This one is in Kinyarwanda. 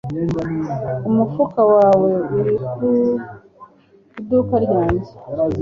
Umufuka wawe uri ku iduka ryanjye